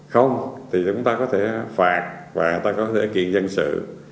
không thì chúng ta có thể phạt và người ta có thể kỳ dân sự